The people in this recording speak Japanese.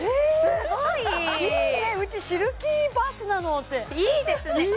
すごいいいねうちシルキーバスなのっていいですね